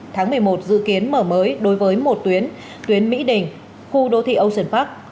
tháng một mươi một dự kiến mở mới đối với một tuyến tuyến mỹ đình khu đô thị ocean park